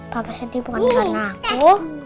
bukan karena aku